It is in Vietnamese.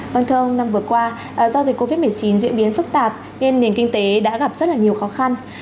vâng thưa ông năm vừa qua do dịch covid một mươi chín diễn biến phức tạp nên nền kinh tế đã gặp rất là nhiều khó khăn